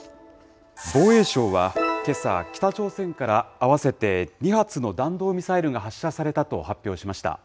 防衛省はけさ、北朝鮮から合わせて２発の弾道ミサイルが発射されたと発表しました。